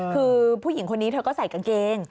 คือผู้หญิงคนนี้เธอก็ใส่กางเกง